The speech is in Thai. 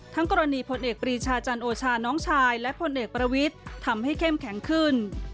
กรณีพลเอกปรีชาจันโอชาน้องชายและพลเอกประวิทย์ทำให้เข้มแข็งขึ้น